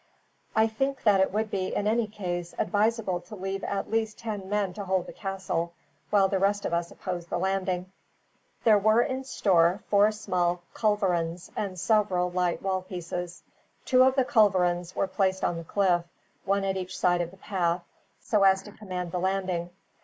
"I think that it would be, in any case, advisable to leave at least ten men to hold the castle, while the rest of us oppose the landing." There were in store four small culverins and several light wall pieces. Two of the culverins were placed on the cliff, one at each side of the path, so as to command the landing.